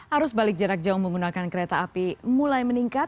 arus balik jarak jauh menggunakan kereta api mulai meningkat